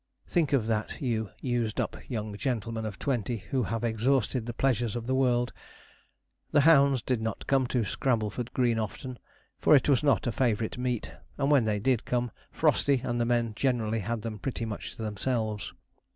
Think of that, you 'used up' young gentlemen of twenty, who have exhausted the pleasures of the world! The hounds did not come to Scrambleford Green often, for it was not a favourite meet; and when they did come, Frosty and the men generally had them pretty much to themselves.